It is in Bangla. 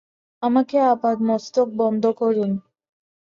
আমাকে আপাদমস্তক বন্ধন করুন।